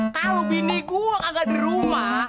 kalau bini gua gak ada di rumah